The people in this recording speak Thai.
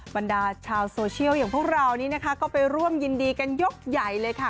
บรรดาชาวโซเชียลอย่างพวกเรานี้นะคะก็ไปร่วมยินดีกันยกใหญ่เลยค่ะ